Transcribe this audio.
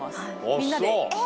みんなでえ！